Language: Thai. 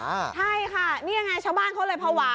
ใช่ค่ะนี่ยังไงชาวบ้านเขาเลยภาวะ